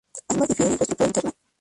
Ambas difieren en su estructura interna.